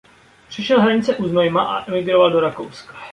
Přešel hranice u Znojma a emigroval do Rakouska.